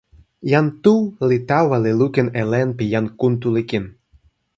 jan Tu li tawa li lukin e len pi jan Kuntuli kin.